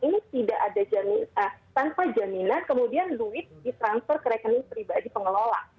ini tidak ada tanpa jaminan kemudian duit ditransfer ke rekening pribadi pengelola